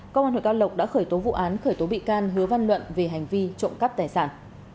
công an huyện cao lộc đã khởi tố vụ án khởi tố bị can hứa văn luận về hành vi trộm cắp tài sản